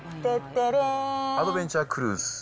アドベンチャークルーズ。